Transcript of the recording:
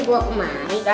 ini dibawa ke maksud